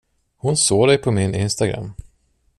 Hon såg dig på min Instagram.